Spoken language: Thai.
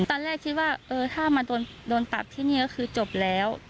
ตอนแรกคิดว่าเออถ้ามาโดนตัดที่นี่ก็คือจบแล้ว